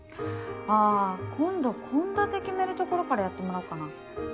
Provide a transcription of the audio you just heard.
あ今度献立決めるところからやってもらおっかな。